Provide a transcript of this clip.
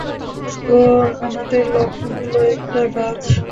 তো আমাদের লক্ষ্য হলো একটা গাছ।